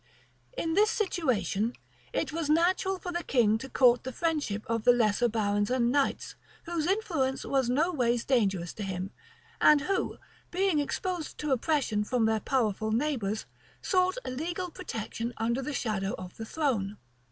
In this situation it was natural for the king to court the friendship of the lesser barons and knights, whose influence was no ways dangerous to him, and who, being exposed to oppression from their powerful neighbors, sought a legal protection under the shadow of the throne.